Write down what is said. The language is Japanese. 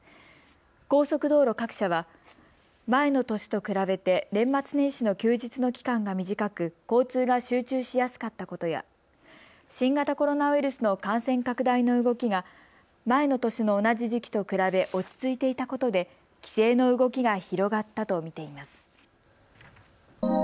高速道路各社は前の年と比べて年末年始の休日の期間が短く、交通が集中しやすかったことや新型コロナウイルスの感染拡大の動きが前の年の同じ時期と比べ落ち着いていたことで帰省の動きが広がったと見ています。